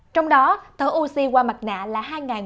trong đó thở oxy qua mặt nạ là hai một trăm hai mươi chín